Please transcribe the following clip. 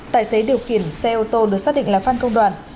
tài xế điều khiển xe ô tô được xác định là phan công đoàn